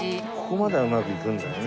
ここまではうまくいくんだよね。